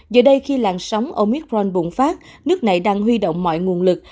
giờ đây khi làn sóng omicron bùng phát nước này đang huy động mọi nguồn lực